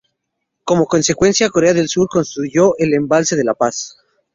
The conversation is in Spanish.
Como consecuencia, Corea del Sur construyó el embalse de la Paz.